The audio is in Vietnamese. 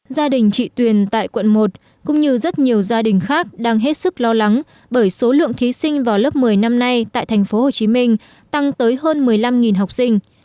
gia đình chị tuyền tại quận một cũng như rất nhiều gia đình khác đang hết sức lo lắng bởi số lượng thí sinh vào lớp một mươi năm nay tại tp hcm tăng tới hơn một mươi năm học sinh